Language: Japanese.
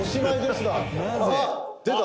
「出た！